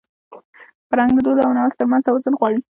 فرهنګ د دود او نوښت تر منځ توازن غواړي.